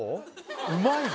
うまいの？